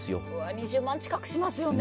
２０万近くしますよね。